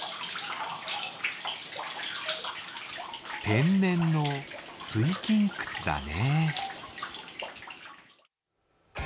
天然の水琴窟だね。